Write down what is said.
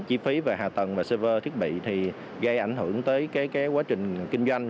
chi phí về hạ tầng và server thiết bị gây ảnh hưởng tới quá trình kinh doanh